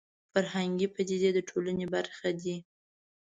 فرهنګي پدیدې د ټولنې برخه دي